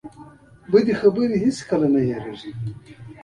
بدې خبرې هېڅکله هم نه هېرېږي.